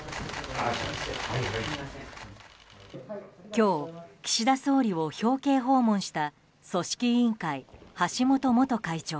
今日、岸田総理を表敬訪問した組織委員会、橋本元会長。